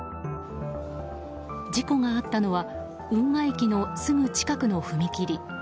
事故があったのは運河駅のすぐ近くの踏切。